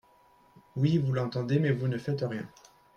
Oui, vous l’entendez, mais vous ne faites rien